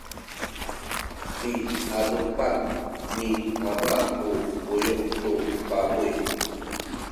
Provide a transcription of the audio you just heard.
piadupan ni ama ku buyu’ tu pabuy.